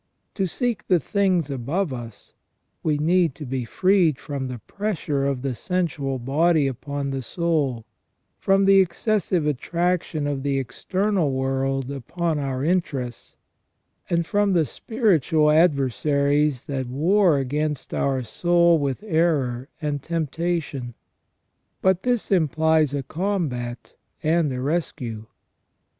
To seek the things above us, we need to be freed from the pressure of the sensual body upon the soul, from the excessive attraction of the external world upon our interests, and from the spiritual adver saries that war against our soul with error and temptation. But this implies a combat and a rescue.